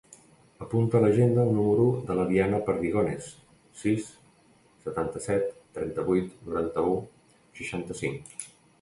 Apunta a l'agenda el número de la Diana Perdigones: sis, setanta-set, trenta-vuit, noranta-u, seixanta-cinc.